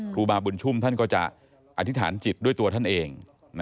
ครูบาบุญชุมท่านก็จะอธิษฐานจิตด้วยตัวท่านเอง